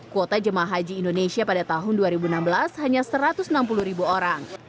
kuota jemaah haji indonesia pada tahun dua ribu enam belas hanya satu ratus enam puluh ribu orang